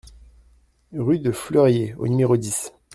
Rue de Fleurier au numéro dix